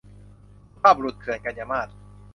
สุภาพบุรุษเถื่อน - กันยามาส